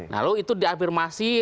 lalu itu diafirmasi